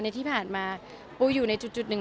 ที่ผ่านมาปูอยู่ในจุดหนึ่ง